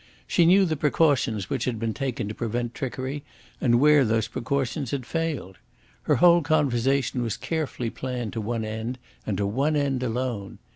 She knew the precautions which had been taken to prevent trickery and where those precautions had failed. Her whole conversation was carefully planned to one end, and to one end alone.